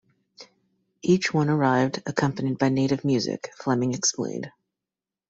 Each one arrived accompanied by native music, Fleming explained.